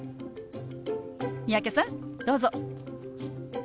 三宅さんどうぞ。